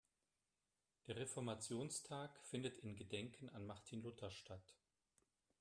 Der Reformationstag findet in Gedenken an Martin Luther statt.